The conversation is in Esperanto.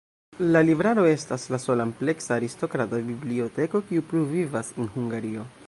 La libraro estas la sola ampleksa aristokrata biblioteko, kiu pluvivas en Hungario.